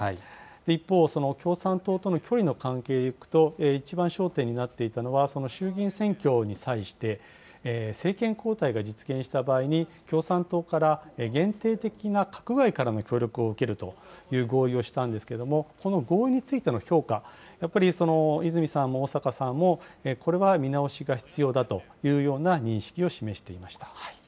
一方、共産党との距離の関係でいくと、一番焦点になっていたのは、その衆議院選挙に際して、政権交代が実現した場合に、共産党から限定的な閣外からの協力を受けるという合意をしたんですけれども、その合意についての評価、やっぱり泉さんも逢坂さんも、これは見直しが必要だというような認識を示していました。